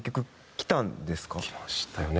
きましたよね。